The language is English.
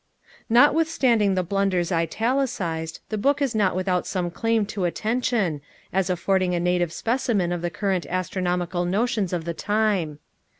Notwithstanding the blunders italicized, the book is not without some claim to attention, as affording a naive specimen of the current astronomical notions of the time.